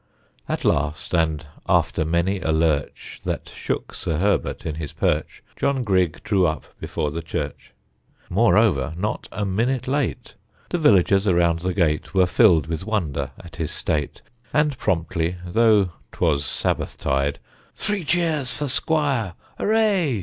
At last, and after many a lurch That shook Sir Herbert in his perch, John Grigg drew up before the church; Moreover not a minute late. The villagers around the gate Were filled with wonder at his state, And, promptly, though 'twas sabbath tide, "Three cheers for squire Hooray!"